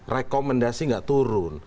rekomendasi gak turun